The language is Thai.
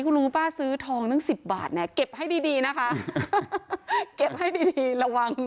คุณรู้ป้าซื้อทองตั้งสิบบาทเนี่ยเก็บให้ดีดีนะคะเก็บให้ดีดีระวัง